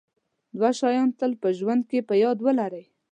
دوه شیان تل په ژوند کې په یاد ولرئ.